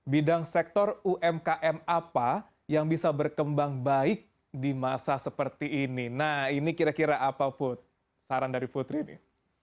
bidang sektor umkm apa yang bisa berkembang baik di masa seperti ini nah ini kira kira apa put saran dari putri ini